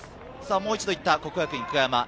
もう一度行った、國學院久我山。